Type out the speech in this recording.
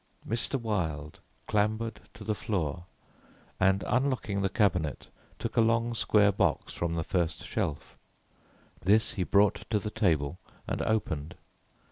Mr. Wilde clambered to the floor and unlocking the cabinet, took a long square box from the first shelf. This he brought to the table and opened.